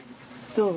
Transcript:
どう？